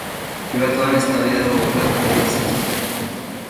Pribatuan eztabaida gogorra ere izan zuten.